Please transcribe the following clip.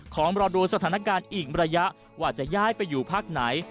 ขอรอดูสถานการณ์อีกระยะว่าจะย้ายไปอยู่พักไหน